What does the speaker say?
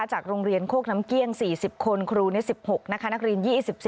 จากโรงเรียนโคกน้ำเกลี้ยง๔๐คนครู๑๖นะคะนักเรียน๒๔